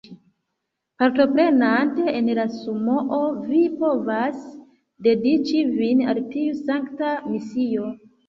Partoprenante en la Sumoo, vi povas dediĉi vin al tiu sankta misio.